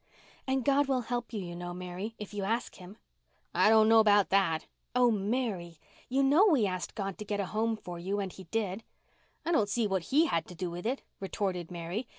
"And God will help you, you know, Mary, if you ask Him." "I don't know about that." "Oh, Mary. You know we asked God to get a home for you and He did." "I don't see what He had to do with it," retorted Mary.